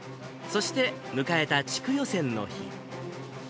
そして迎えた地区予選の日。